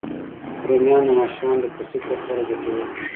رومیان د ماشومانو د پوستکي لپاره ګټور دي